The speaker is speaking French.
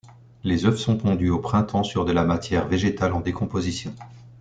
Les œufs sont pondus au printemps sur de la matière végétale en décomposition.